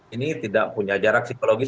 ini tidak punya jarak psikologis